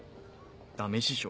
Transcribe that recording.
ダメ師匠。